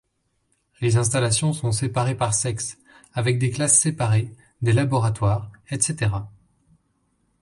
Les installations sont séparées par sexe, avec des classes séparées, des laboratoires, etc.